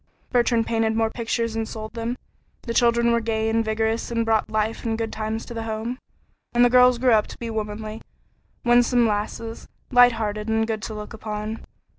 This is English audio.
Bertrand painted more pictures and sold them; the children were gay and vigorous and brought life and good times to the home, and the girls grew up to be womanly, winsome lasses, light hearted and good to look upon.